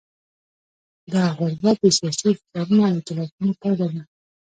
دغه غربت د سیاسي فشارونو او ایتلافونو پایله ده.